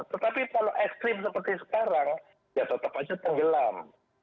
tetapi kalau ekstrim seperti sekarang ya tetap aja tenggelam